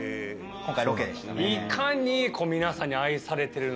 今回ロケでしたね。